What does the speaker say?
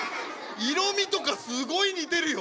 色みとかすごい似てるよ。